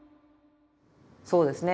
そうですね